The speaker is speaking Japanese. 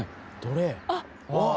あっ！